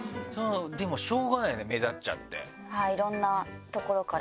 でもしょうがないよね目立っちゃって。